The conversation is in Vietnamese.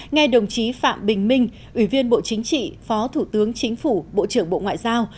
nghe đồng chí phạm bình minh ủy viên bộ chính trị phó thủ tướng chính phủ bộ trưởng bộ ngoại giao